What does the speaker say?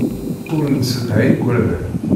Ur nessedhay igerdan.